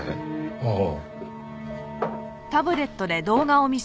ああ。